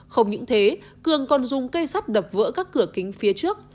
không những thế cường còn dùng cây sắt đập vỡ các cửa kính phía trước